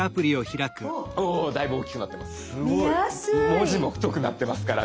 文字も太くなってますからね。